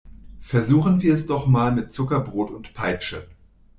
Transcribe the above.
Versuchen wir es doch mal mit Zuckerbrot und Peitsche!